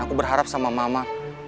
aku berharap sama mama